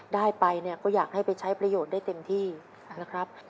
ได้ไปเนี่ยก็อยากให้ไปใช้ประโยชน์ได้เต็มที่นะครับ